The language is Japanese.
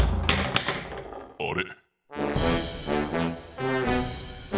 あれ？